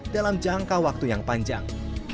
dalam jangka waktu yang panjang